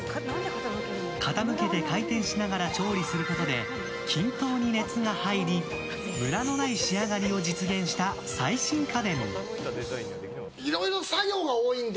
傾けて回転しながら調理することで均等に熱が入りムラのない仕上がりを実現した最新家電。